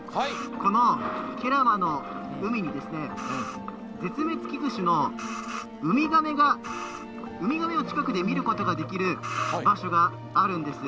この慶良間の海に絶滅危惧種のウミガメを近くで見ることができる場所があるんです。